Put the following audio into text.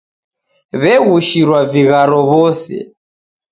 W'egushirwa vigharo w'ose.